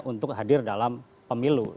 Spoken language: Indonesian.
untuk hadir dalam pemilu